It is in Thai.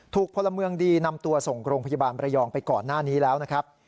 พลเมืองดีนำตัวส่งโรงพยาบาลประยองไปก่อนหน้านี้แล้วนะครับ